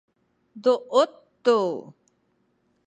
duut tu